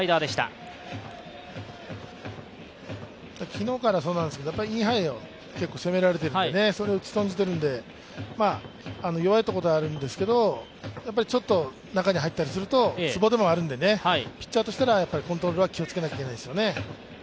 昨日からそうなんですけど、インハイを結構攻められて、それを打ち損じてるので、弱いところではあるんですけどちょっと中に入ったりするとツボでもあるんで、ピッチャーとしたらコントロールは気をつけなきゃ行けないですよね。